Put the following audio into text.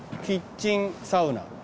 キッチンサウナ。